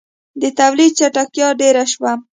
• د تولید چټکتیا ډېره شوه.